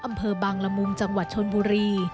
อำเภอบางละมุงจังหวัดชนบุรี